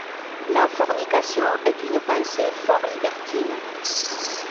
La fornication est une pensée fort libertine.